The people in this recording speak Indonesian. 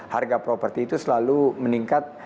harga properti itu selalu meningkat